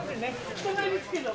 汚いですけど。